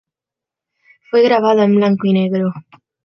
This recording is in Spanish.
Fue grabada en blanco y negro.